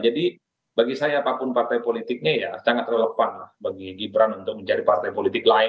jadi bagi saya apapun partai politiknya ya sangat relevan bagi gibran untuk menjadi partai politik lain